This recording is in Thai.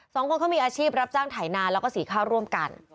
สองคนเขามีอาชีพรับจ้างไถนาแล้วก็สีข้าวร่วมกัน